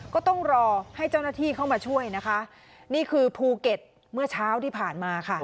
ก็ต้องรอให้เจ้าหน้าที่เข้ามาช่วยนะคะนี่คือภูเก็ตเมื่อเช้าที่ผ่านมาค่ะ